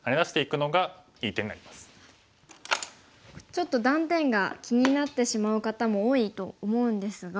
ちょっと断点が気になってしまう方も多いと思うんですが。